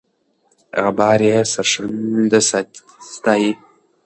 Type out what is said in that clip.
غبار یې سرښندنه ستایي.